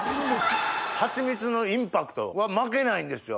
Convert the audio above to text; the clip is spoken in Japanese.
ハチミツのインパクトは負けないんですよ。